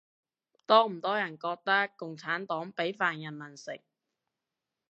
多唔多人覺得共產黨畀飯人民食